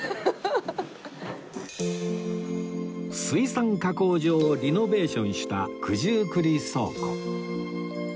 水産加工場をリノベーションした九十九里倉庫